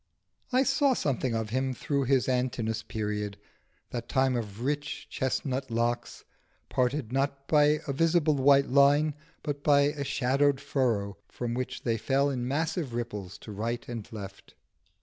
I saw something of him through his Antinoüs period, the time of rich chesnut locks, parted not by a visible white line, but by a shadowed furrow from which they fell in massive ripples to right and left.